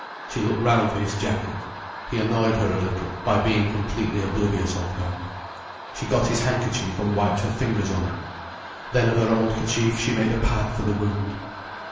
She looked round for his jacket. He annoyed her a little, by being completely oblivious of her. She got his handkerchief and wiped her fingers on it. Then of her own kerchief she made a pad for the wound.